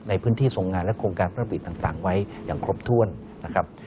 ในพื้นที่ทรงงานและโครงการพระบิดต่างไว้อย่างครบถ้วนนะครับ